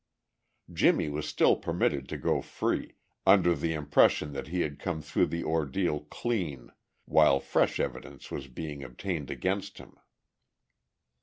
Jimmie was still permitted to go free, under the impression that he had come through the ordeal "clean," while fresh evidence was being obtained against him.